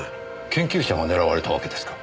研究者が狙われたわけですか？